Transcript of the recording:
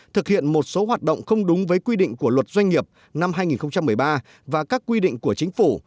thực hiện một số hoạt động không đúng với quy định của luật doanh nghiệp năm hai nghìn một mươi ba và các quy định của chính phủ